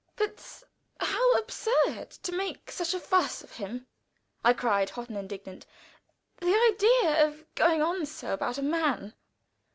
_" "But how absurd to make such a fuss of him!" I cried, hot and indignant. "The idea of going on so about a man!"